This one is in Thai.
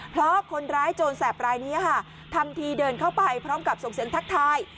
เพราะคนร้ายโจรแสบรายนี้ค่ะทำทีเดินเข้าไปพร้อมกับส่งเสียงทักทาย